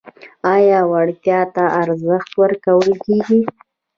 آیا وړتیا ته ارزښت ورکول کیږي؟